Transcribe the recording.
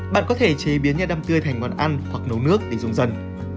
bạn có thể chế biến nha đam tươi thành món ăn hoặc nấu nước để dùng dần